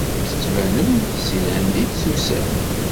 Tettbanem-d seg Lhend i d-tusam.